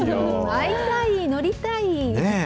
会いたい、乗りたい！